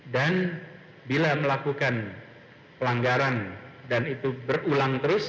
dan bila melakukan pelanggaran dan itu berulang terus